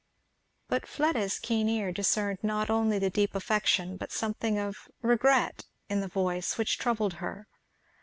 But Fleda's keen ear discerned not only the deep affection but something of regret in the voice, which troubled her.